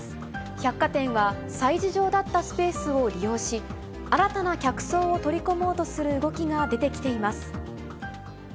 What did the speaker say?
百貨店は催事場だったスペースを利用し、新たな客層を取り込もうとする動きが出てきています。